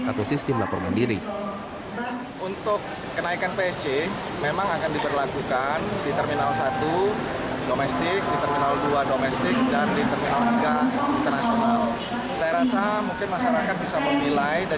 atau sistema pertahanan